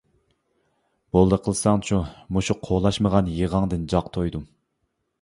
— بولدى قىلساڭچۇ، مۇشۇ قولاشمىغان يىغاڭدىن جاق تويدۇم.